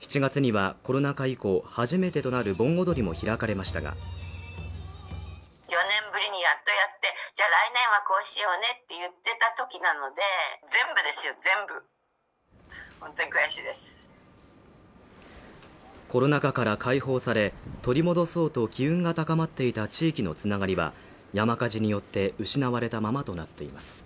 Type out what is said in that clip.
７月にはコロナ禍以降初めてとなる盆踊りも開かれましたがコロナ禍から開放され取り戻そうと機運が高まっていた地域のつながりは山火事によって失われたままとなっています